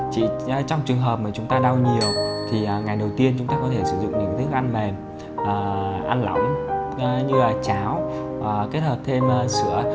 chị trong trường hợp mà chúng ta đau nhiều thì ngày đầu tiên chúng ta có thể sử dụng những thức ăn mềm ăn lỏng như là cháo kết hợp thêm sữa